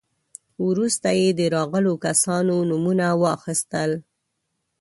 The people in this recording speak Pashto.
وروسته يې د راغلو کسانو نومونه واخيستل.